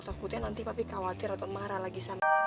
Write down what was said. takutnya nanti papi khawatir atau marah lagi